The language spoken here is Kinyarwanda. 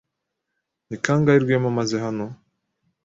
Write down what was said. Ni kangahe Rwema amaze hano?